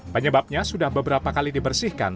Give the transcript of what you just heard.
penyebabnya sudah beberapa kali dibersihkan